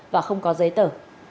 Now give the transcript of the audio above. và không có giấy tờ